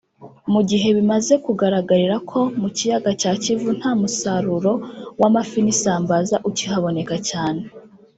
mu gihe bimaze kugaragarira ko mu kiyaga cya Kivu nta musaruro w’amafi n’isambaza ukihaboneka cyane